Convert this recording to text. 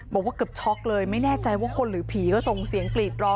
บอกว่าเกือบช็อกเลยไม่แน่ใจว่าคนหรือผีก็ส่งเสียงกรีดร้อง